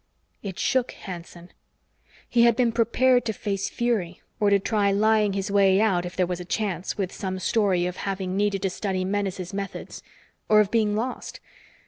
_" It shook Hanson. He had been prepared to face fury, or to try lying his way out if there was a chance with some story of having needed to study Menes's methods. Or of being lost.